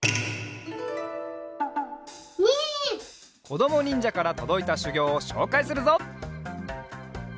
こどもにんじゃからとどいたしゅぎょうをしょうかいするぞ。